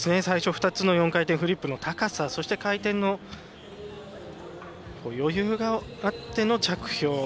最初２つの４回転フリップの高さそして回転の余裕があっての着氷。